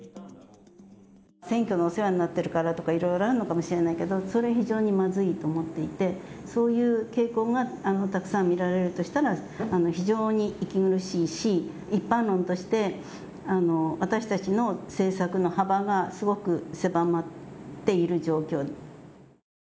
選挙でお世話になってるからとか、いろいろあるのかもしれないけど、それは非常にまずいと思っていて、そういう傾向がたくさん見られるとしたら、非常に息苦しいし、一般論として、私たちの政策の幅がすごく狭まっている状況。